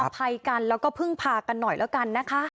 ภัยกันแล้วก็พึ่งพากันหน่อยแล้วกันนะคะ